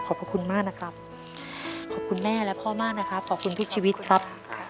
พระคุณมากนะครับขอบคุณแม่และพ่อมากนะครับขอบคุณทุกชีวิตครับ